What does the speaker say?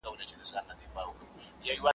شمعي که بلېږې نن دي وار دی بیا به نه وینو `